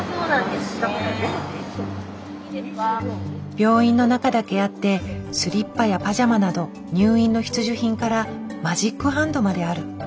病院の中だけあってスリッパやパジャマなど入院の必需品からマジックハンドまである。